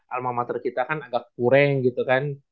alma mater kita kan agak kurang gitu kan